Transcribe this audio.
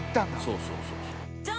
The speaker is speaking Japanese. ◆そうそう、そうそう。